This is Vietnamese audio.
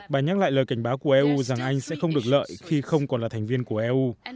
bà nhắc lại lời cảnh báo của eu rằng anh sẽ không được lợi khi không còn là thành viên của eu